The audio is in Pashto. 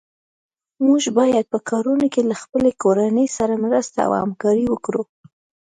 موږ باید په کارونو کې له خپلې کورنۍ سره مرسته او همکاري وکړو.